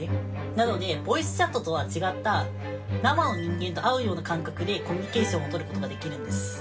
なのでボイスチャットとは違った生の人間と会うような感覚でコミュニケーションを取る事ができるんです。